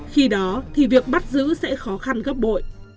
khi đó thì việc bắt giữ sẽ khó khăn gấp bội